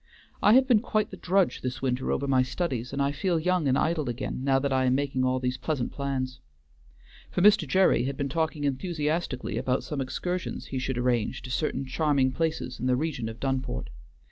"I have been quite the drudge this winter over my studies, and I feel young and idle again, now that I am making all these pleasant plans." For Mr. Gerry had been talking enthusiastically about some excursions he should arrange to certain charming places in the region of Dunport.